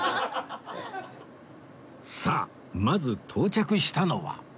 さあまず到着したのは